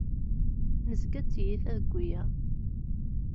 Nezga d tiyita deg wiyaḍ.